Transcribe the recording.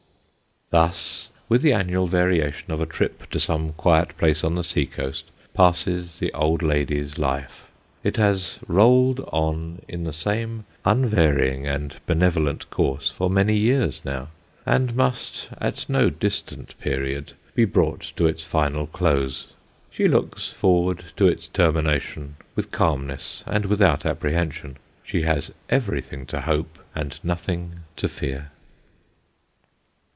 Thus, with the annual variation of a trip to some quiet place on the sea coast, passes the old lady's life. It has rolled on in the same un varying and benevolent course for many years now, and must at no distant period be brought to its final close. She looks forward to its termination, with calmness and without apprehension. She has every thing to hope and nothing to fear.